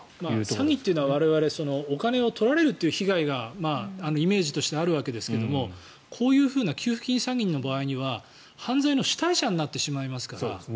詐欺というのは我々お金を取られるという被害がイメージとしてあるわけですがこういう給付金詐欺の場合には犯罪の主体者になってしまいますから。